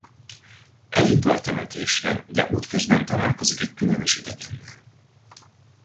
Elindul a temetésre, de útközben találkozik egy különös idegennel.